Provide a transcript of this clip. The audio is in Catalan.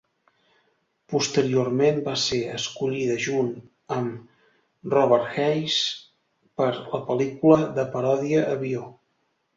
Posteriorment va ser escollida junt amb Robert Hays per la pel·lícula de paròdia, "Avió!".